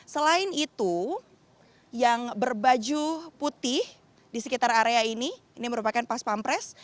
selain itu yang berbaju putih di sekitar area ini ini merupakan pas pampres